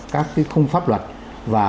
các cái khung pháp luật và